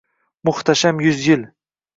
Muhtasham yuz yil